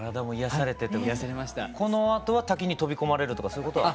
このあとは滝に飛び込まれるとかそういうことは？